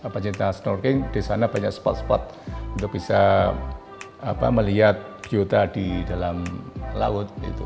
pecinta snorkeling di sana banyak spot spot untuk bisa melihat biota di dalam laut